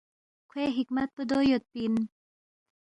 کھوے حکمت پو دو یودپی اِن